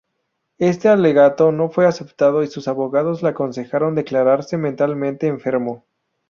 Este alegato no fue aceptado y sus abogados le aconsejaron declararse mentalmente enfermo.